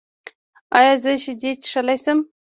ایا زه شیدې څښلی شم؟